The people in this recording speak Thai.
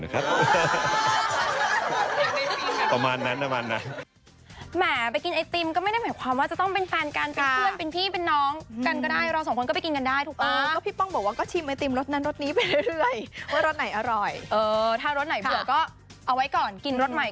ก็ไม่ได้แค่กินชิมรสนี้เป็นไง